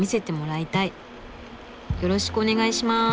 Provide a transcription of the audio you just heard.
よろしくお願いします！